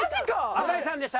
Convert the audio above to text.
朝日さんでした。